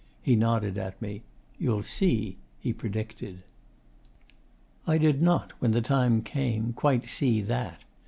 He nodded at me. 'You'll see,' he predicted. I did not, when the time came, quite see that.